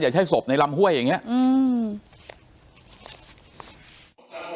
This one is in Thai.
ใช้ศพในลำห้วยอย่างเงี้อืม